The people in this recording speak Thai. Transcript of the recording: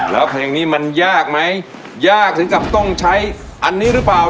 แล้วเพลงนี้มันยากไหมยากถึงกับต้องใช้อันนี้หรือเปล่า